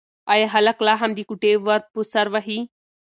ایا هلک لا هم د کوټې ور په سر وهي؟